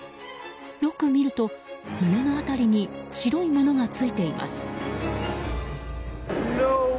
よく見ると、胸の辺りに白いものがついています。